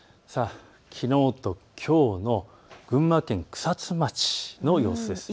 きのうときょうの群馬県草津町の様子です。